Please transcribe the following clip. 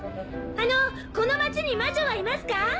あのこの町に魔女はいますか？